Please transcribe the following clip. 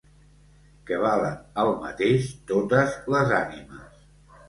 Que valen el mateix totes les ànimes.